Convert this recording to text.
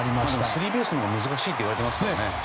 スリーベースが難しいといわれてますからね。